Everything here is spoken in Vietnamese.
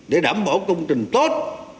để đảm bảo công trình tốt